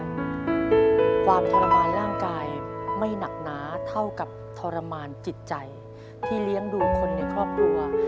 ความทรมานร่างกายไม่หนักหนาเท่ากับทรมานจิตใจที่เลี้ยงดูคนในครอบครัว